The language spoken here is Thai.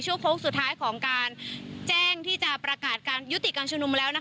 ช่วงพล็อกสุดท้ายของการแจ้งที่จะปรากฏการยุติการจุบนมแล้ว